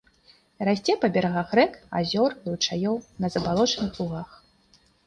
Расце па берагах рэк, азёр, ручаёў, на забалочаных лугах.